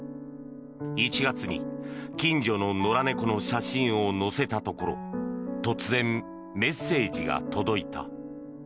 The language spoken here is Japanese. １月に近所の野良猫の写真を載せたところ突然、メッセージが届いた。